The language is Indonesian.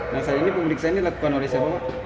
nah saat ini publik saya ini lakukan orisip oleh